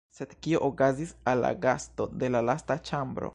Sed, kio okazis al la gasto de la lasta ĉambro?